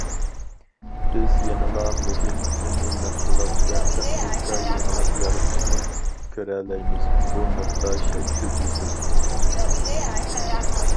بىز يەنىلا مۇھىم يېڭى مەھسۇلات ۋە تېخنىكا يېڭىلىق يارىتىشىنى كۆرەلەيمىز، بۇ نۇقتا شەك- شۈبھىسىز.